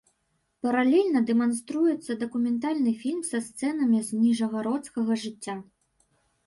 Паралельна дэманструецца дакументальны фільм са сцэнамі з ніжагародскага жыцця.